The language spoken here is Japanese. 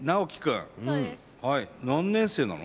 何年生なの？